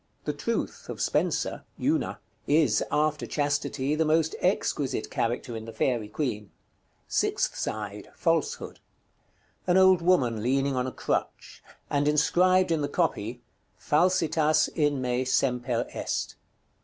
The Truth of Spenser, Una, is, after Chastity, the most exquisite character in the "Faerie Queen." § C. Sixth side. Falsehood. An old woman leaning on a crutch; and inscribed in the copy, "FALSITAS IN ME SEMPER EST."